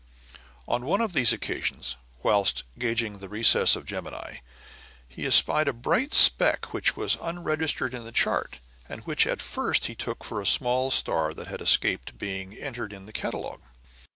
On one of these occasions, whilst carefully gauging the recesses of Gemini, he espied a bright speck which was unregistered in the chart, and which at first he took for a small star that had escaped being entered in the catalogue.